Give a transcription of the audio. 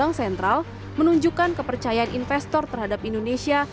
bank sentral menunjukkan kepercayaan investor terhadap indonesia